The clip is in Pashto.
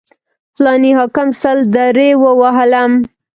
فلاني حاکم سل درې ووهلم.